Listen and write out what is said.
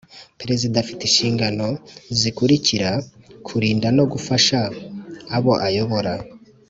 Perezida afite inshingano zikurikira kurinda no gufasha abo ayoboye